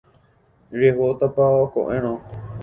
Rehótapa ko'ẽrõ.